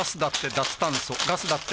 脱炭素ガス・だって・